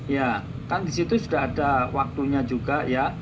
ya kan di situ sudah ada waktunya juga ya